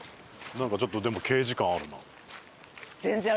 なんかちょっとでも刑事感あるなあ。